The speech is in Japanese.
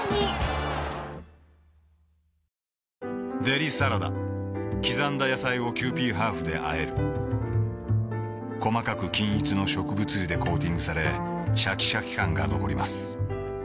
デリサラダ刻んだ野菜をキユーピーハーフであえる細かく均一の植物油でコーティングされシャキシャキ感が残ります